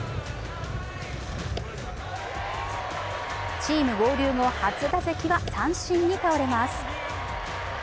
チーム合流後初打席は三振に倒れます。